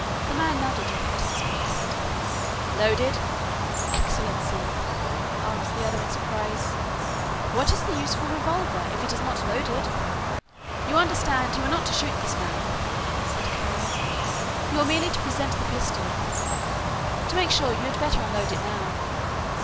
The man nodded and patted his pocket. "Loaded?" "Excellency," asked the other, in surprise, "what is the use of a revolver, if it is not loaded?" "You understand, you are not to shoot this man," said Kara. "You are merely to present the pistol. To make sure, you had better unload it now."